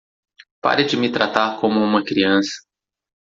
Pare de me tratar como uma criança.